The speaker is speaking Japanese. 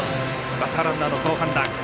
バッターランナーの好判断。